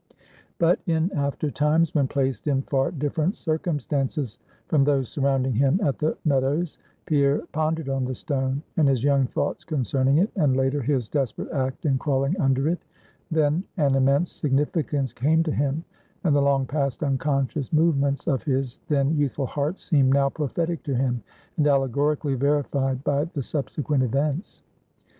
But in after times, when placed in far different circumstances from those surrounding him at the Meadows, Pierre pondered on the stone, and his young thoughts concerning it, and, later, his desperate act in crawling under it; then an immense significance came to him, and the long passed unconscious movements of his then youthful heart seemed now prophetic to him, and allegorically verified by the subsequent events.